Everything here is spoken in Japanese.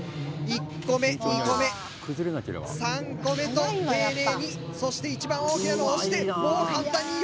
１個目２個目３個目と丁寧にそして一番大きなのを押してもう簡単に４つ目これで同点だ。